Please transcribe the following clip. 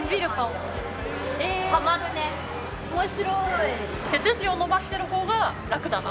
面白い。